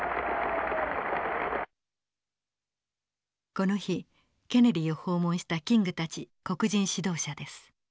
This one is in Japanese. この日ケネディを訪問したキングたち黒人指導者です。